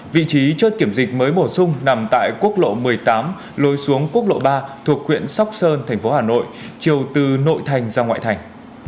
vị trí chốt kiểm dịch mới bổ sung nằm tại quốc lộ một mươi tám lối xuống quốc lộ ba thuộc quyện sóc sơn thành phố hà nội chiều từ nội thành ra ngoại thành